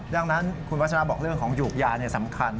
ดังนั้นคุณวัชราบอกเรื่องของหยูกยาสำคัญ